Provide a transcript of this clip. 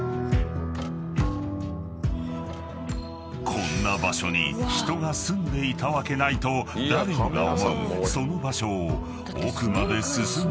［こんな場所に人が住んでいたわけないと誰もが思うその場所を奥まで進んでいくと］